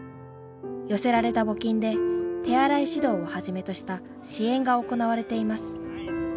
寄せられた募金で手洗い指導をはじめとした支援が行われています。